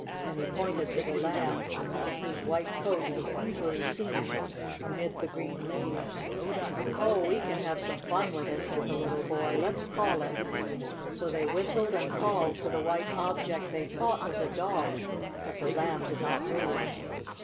and he pointed to the Lamb, whose white coat was easily seen amid the green leaves. "Oh, we can have some fun with it!" said the little boy. "Let's call it." So they whistled and called to the white object they thought was a dog, but the Lamb did not move.